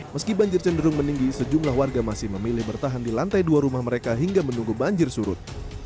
meski banjir cenderung meninggi sejumlah warga masih memilih bertahan di lantai dua rumah mereka hingga menunggu banjir surut